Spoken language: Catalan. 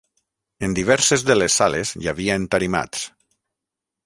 En diverses de les sales hi havia entarimats